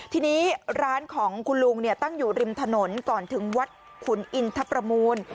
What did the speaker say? ทีนี้ร้านของคุณลุงตั้งอยู่ริมถนนก่อนถึงวัดขุนอินทประมูล